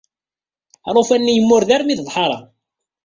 Alufan-nni yemmured armi d lḥaṛa.